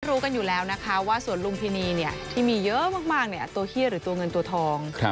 รู้กันอยู่แล้วนะคะว่าสวนลุมพินีที่มีเยอะมากตัวขี้หรือตัวเงินตัวทอง